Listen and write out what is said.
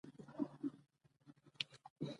بهرني هیوادونه ورسره ښې ډیپلوماتیکې اړیکې لري.